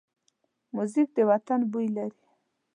موزیک د وطن بوی لري.